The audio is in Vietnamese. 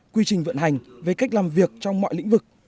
quy trình vận hành về cách làm việc trong mọi lĩnh vực